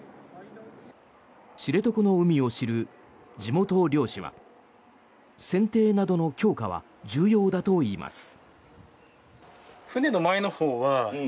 知床の海を知る地元漁師は船底などの強化は重要だといいます。